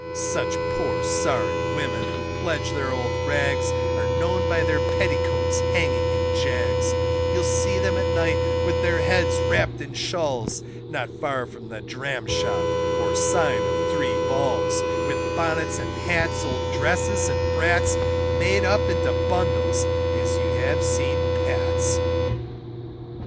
Such poor sorry women who pledge their old rags, Are known by their petticoats hanging in jags; You'll see them at night with their heads wrapt in shawls Not far from the Dram shop, or sign of Three Balls, With bonnets and hats, old dresses and brats, Made up into bundles as you have seen Pat's.